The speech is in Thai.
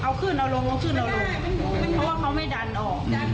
โอเคพอหนูไปดึงอีกทีอ่ะล็อคไปแล้ว